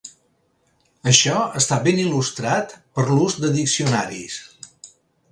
Això està ben il·lustrat per l'ús de diccionaris.